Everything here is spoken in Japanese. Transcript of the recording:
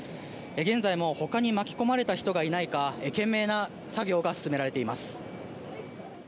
現在もほかに巻き込まれた人がいないか懸命な作業が続けられています。